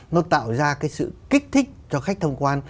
nó tạo ra cái sự kích thích cho khách thông quan